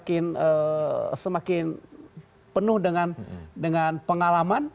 dan semakin penuh dengan pengalaman